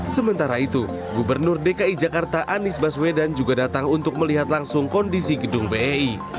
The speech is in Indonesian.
sementara itu gubernur dki jakarta anies baswedan juga datang untuk melihat langsung kondisi gedung bei